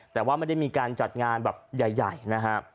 แต่ว่าไม่ได้มีการจัดงานแบบใหญ่นะฮะ